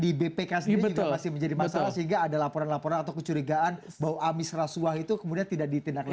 di bpk sendiri juga masih menjadi masalah sehingga ada laporan laporan atau kecurigaan bahwa amis rasuah itu kemudian tidak ditindaklanju